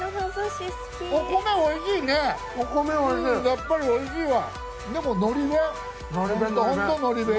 やっぱりおいしいわ。